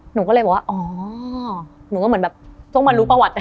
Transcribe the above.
หนูก็เลยบอกว่าอ๋อหนูก็เหมือนแบบต้องมารู้ประวัติ